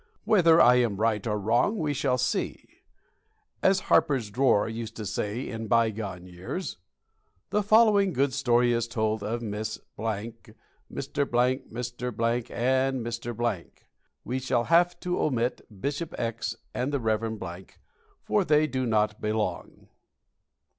Whether I am right or wrong we shall see. As "Harper's Drawer" used to say in bygone years: "The following good story is told of Miss , Mr. , Mr. , and Mr. ." We shall have to omit "Bishop X" and "the Rev. ," for they do not belong.